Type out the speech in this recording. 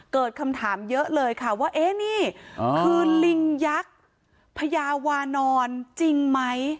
เกิดคำถามเยอะเลยค่ะว่าเอ๊ะนี่คือลิงยักษ์พญาวานอนจริงไหม